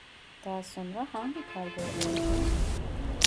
Daha sonra hangi kargoya vereceğim